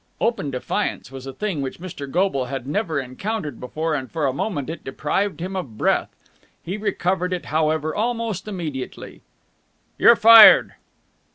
Open defiance was a thing which Mr. Goble had never encountered before, and for a moment it deprived him of breath. He recovered it, however, almost immediately. "You're fired!"